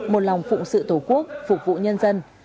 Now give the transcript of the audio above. một lòng phụng sự tổ quốc phục vụ nhân dân